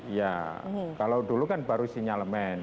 ya kalau dulu kan baru sinyalemen